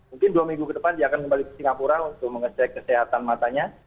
mungkin dua minggu ke depan dia akan kembali ke singapura untuk mengecek kesehatan matanya